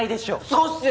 そうっすよ！